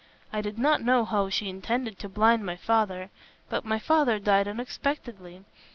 I did not know how she intended to blind my father. But my father died unexpectedly.